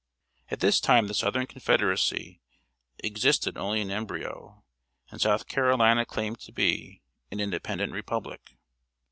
At this time the Southern Confederacy existed only in embryo, and South Carolina claimed to be an independent republic.